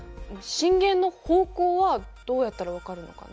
震源の方向はどうやったら分かるのかな？